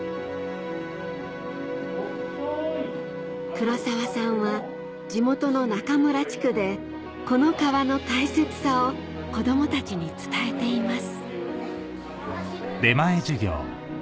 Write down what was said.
黒澤さんは地元の中村地区でこの川の大切さを子供たちに伝えています